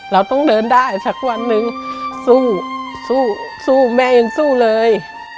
เราต้องเดินได้สักวันหนึ่งสู้สู้แม่ยังสู้เลย